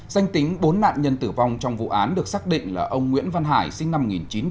danh tính bốn nạn nhân tử vong trong vụ án được xác định là ông nguyễn văn hải sinh năm một nghìn chín trăm tám mươi